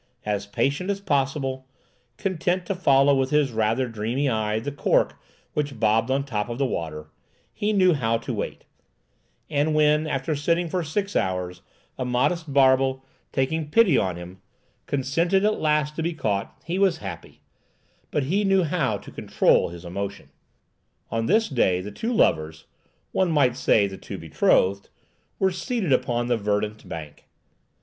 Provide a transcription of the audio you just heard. As patient as possible, content to follow with his rather dreamy eye the cork which bobbed on the top of the water, he knew how to wait; and when, after sitting for six hours, a modest barbel, taking pity on him, consented at last to be caught, he was happy—but he knew how to control his emotion. On this day the two lovers—one might say, the two betrothed— were seated upon the verdant bank.